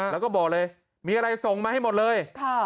แล้วก็บอกเลยมีอะไรส่งมาให้หมดเลย